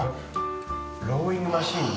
ローイングマシンね。